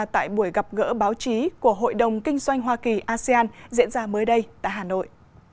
tại buổi gặp gỡ báo chí của hội đồng kinh doanh hoa kỳ asean diễn ra mới đây tại hà nội